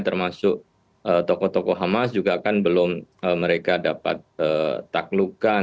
termasuk tokoh tokoh hamas juga kan belum mereka dapat taklukan